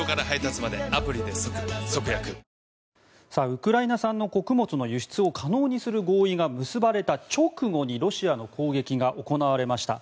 ウクライナ産の穀物の輸出を可能にする合意が結ばれた直後にロシアの攻撃が行われました。